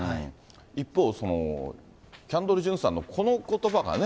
一方、キャンドル・ジュンさんのこのことばがね。